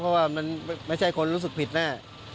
เพราะว่ามันไม่ใช่คนรู้สึกผิดแน่